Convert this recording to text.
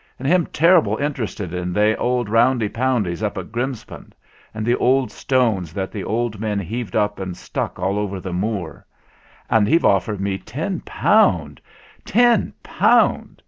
And he'm terrible interested in they old roundy pound ies up to Grimspound, and the old stones 68 6g that the old men heaved up and stuck all over the Moor; and he've offered me ten pound ten pound!